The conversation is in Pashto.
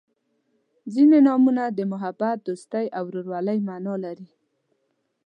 • ځینې نومونه د محبت، دوستۍ او ورورولۍ معنا لري.